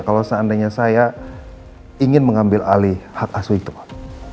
kalau seandainya saya ingin mengambil alih hak asuh itu pak